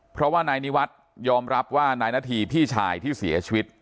เพราะว่านายนิวัตรยอมรับว่านายนาธีพี่ชายที่เสียชีวิต